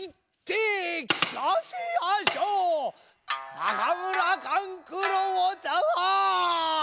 中村勘九郎たぁ